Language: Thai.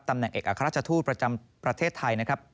แหนเอกอัครราชทูตประจำประเทศไทยนะครับ